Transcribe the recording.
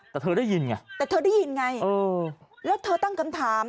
แต่เธอได้ยินไงแต่เธอได้ยินไงเออแล้วเธอตั้งคำถาม